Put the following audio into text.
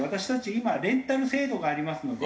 今レンタル制度がありますので。